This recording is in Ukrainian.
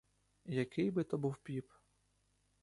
Який би то був піп!